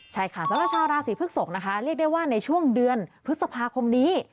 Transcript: ใช่ค่ะสำหรับชาวราศีพฤกษกนะคะเรียกได้ว่าในช่วงเดือนพฤษภาคมนี้